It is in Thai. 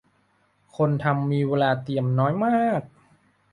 คนทำมีเวลาเตรียมน้อยมาก